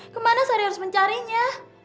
kemana sari harus mencarinya